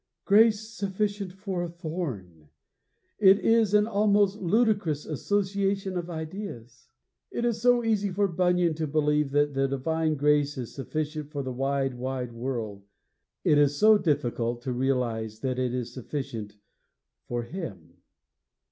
_ Grace sufficient for a thorn! It is an almost ludicrous association of ideas! It is so easy for Bunyan to believe that the divine grace is sufficient for the wide, wide world; it is so difficult to realize that it is sufficient for him!